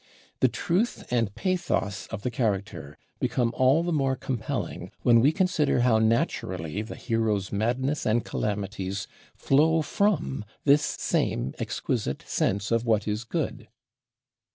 The truth and pathos of the character become all the more compelling when we consider how naturally the hero's madness and calamities flow from this same exquisite sense of what is good.